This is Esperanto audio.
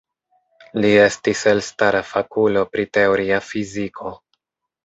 Li estis elstara fakulo pri teoria fiziko.